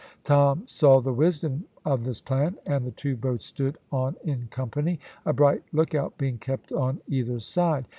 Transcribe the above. Tom saw the wisdom of this plan, and the two boats stood on in company, a bright look out being kept on either side.